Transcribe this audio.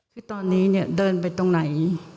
คือตอนนี้เดินไปตรงไหน